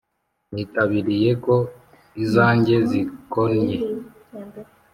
Nitabiriye ko izanjye zikonnye